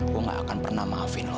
gue gak akan pernah maafin